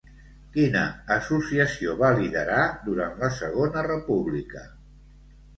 Quina associació va liderar durant la Segona República?